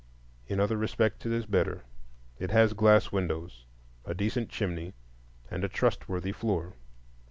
In other respects it is better; it has glass windows, a decent chimney, and a trustworthy floor.